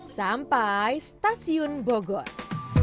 sampai stasiun bogos